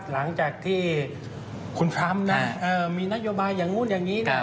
หลังจากที่คุณทรัมป์นะมีนโยบายอย่างนู้นอย่างนี้